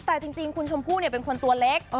แต่จริงคุณชมพู่เป็นคนตัวเล็ก